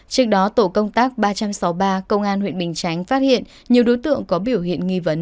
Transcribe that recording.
trước đó tổ công tác ba trăm sáu mươi ba công an huyện bình chánh phát hiện nhiều đối tượng có biểu hiện nghi vấn